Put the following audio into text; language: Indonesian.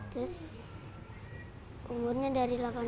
terus umurnya dari delapan puluh